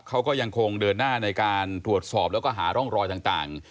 เขาก็ยังคงเดินหน้าในการตรวจสอบแล้วก็หาร่องรอยต่าง